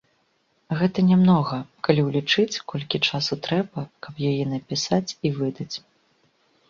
Гэта нямнога, калі ўлічыць, колькі часу трэба, каб яе напісаць і выдаць!